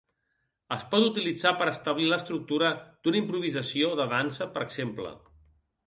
Es pot utilitzar per establir l'estructura d'una improvisació de dansa, per exemple.